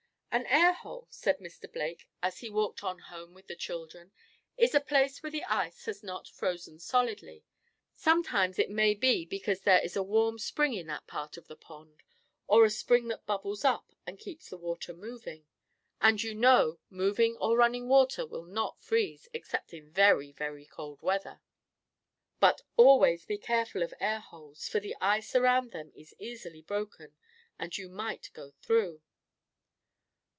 "An air hole," said Mr. Blake, as he walked on home with the children, "is a place where the ice has not frozen solidly. Sometimes it may be because there is a warm spring in that part of the pond, or a spring that bubbles up, and keeps the water moving. And you know moving or running water will not freeze, except in very, very cold weather. "But always be careful of air holes, for the ice around them is easily broken, and you might go through."